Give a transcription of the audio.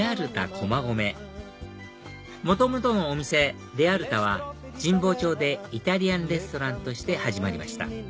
駒込元々のお店ＲＥＡＬＴＡは神保町でイタリアンレストランとして始まりました